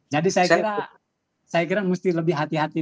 jadi saya kira saya kira mesti lebih hati hati